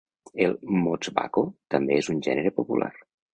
El motswako també és un gènere popular.